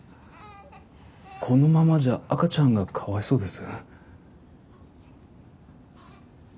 このままじゃ赤ちゃんがかわいそうです。